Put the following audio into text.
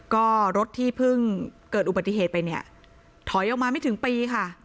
ก็รถที่เพิ่งเกิดอุบัติเหตุไปเนี่ยถอยออกมาไม่ถึงปีค่ะ